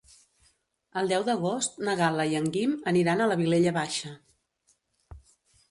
El deu d'agost na Gal·la i en Guim aniran a la Vilella Baixa.